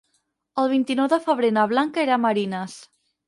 El vint-i-nou de febrer na Blanca irà a Marines.